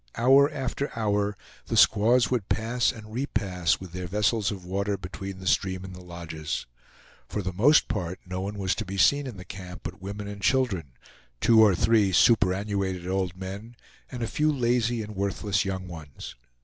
Hour after hour the squaws would pass and repass with their vessels of water between the stream and the lodges. For the most part no one was to be seen in the camp but women and children, two or three super annuated old men, and a few lazy and worthless young ones.